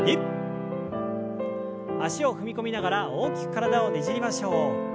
脚を踏み込みながら大きく体をねじりましょう。